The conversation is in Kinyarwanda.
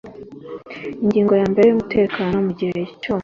Ingingo ya mbere Umutekano mu gihe cyo